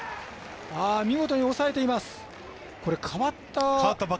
見事に抑えています。